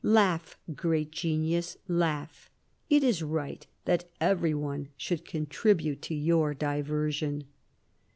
' Laugh, great genius, laugh : it is right that every one should contribute to your diversion.'"